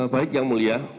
baik yang mulia